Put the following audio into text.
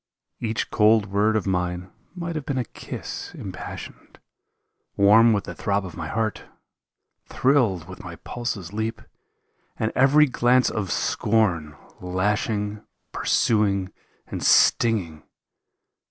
Each cold word of mine might have been a kiss im passioned, Warm with the throb of my heart, thrilled with my pulse's leap, And every glance of scorn, lashing, pursuing, and stinging.